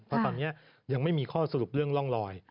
เพราะตอนนี้ยังไม่มีข้อสรุปเรื่องร่องลอย